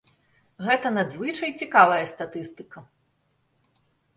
Гэта надзвычай цікавая статыстыка.